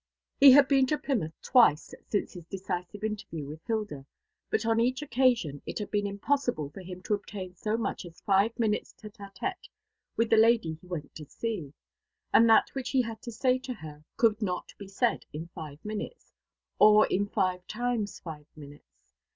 He had been to Plymouth twice since his decisive interview with Hilda; but on each occasion it had been impossible for him to obtain so much as five minutes' tête à tête with the lady he went to see; and that which he had to say to her could not be said in five minutes, or in five times five minutes.